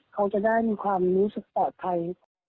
เขาจะได้มีความรู้สึกปลอดภัย